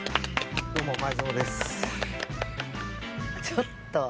ちょっと。